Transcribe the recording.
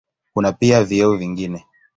Kuna pia vyeo vingine.